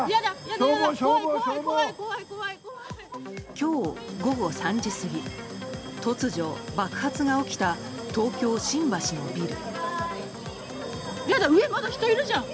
今日午後３時過ぎ突如、爆発が起きた東京・新橋のビル。